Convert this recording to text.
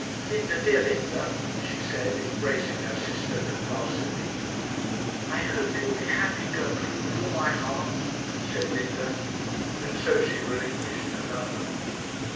'Linda, dear Linda,' she said, embracing her sister convulsively. 'I hope you will be happy, Gertrude, with all my heart,' said Linda; and so she relinquished her lover.